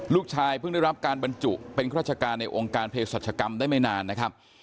ลูกชายเพิ่งได้รับการบรรจุเป็นราชการในองค์การเพศรัชกรรมได้ไม่นานนะครับ